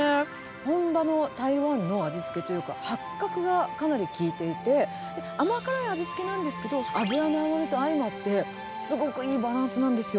本場の台湾の味付けというか、八角がかなり効いていて、甘辛い味付けなんですけど、脂の甘みと相まって、すごくいいバランスなんですよ。